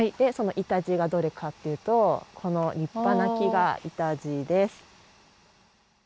そのイタジイがどれかっていうとこの立派な木がイタジイです。